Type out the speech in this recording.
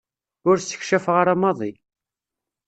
Ur ssekcafeɣ ara maḍi.